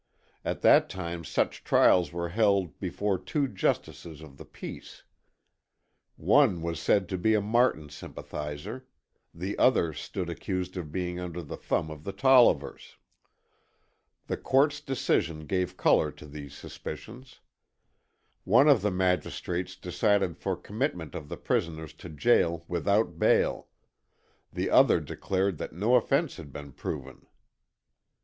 At that time such trials were held before two justices of the peace. One was said to be a Martin sympathizer; the other stood accused of being under the thumb of the Tollivers. The court's decision gave color to these suspicions. One of the magistrates decided for commitment of the prisoners to jail without bail; the other declared that no offense had been proven.